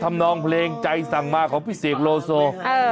ทำนองเพลงใจสังมาของพี่เสียงโลโซเออ